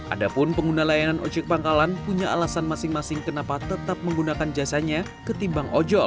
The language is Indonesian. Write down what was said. adapun pengguna layanan ojek pangkalan punya alasan masing masing kenapa tetap menggunakan jasanya ketimbang ojol